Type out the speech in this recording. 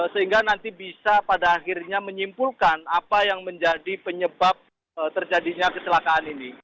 sehingga nanti bisa pada akhirnya menyimpulkan apa yang menjadi penyebab terjadinya kecelakaan ini